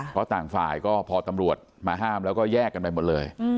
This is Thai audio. เพราะต่างฝ่ายก็พอตำรวจมาห้ามแล้วก็แยกกันไปหมดเลย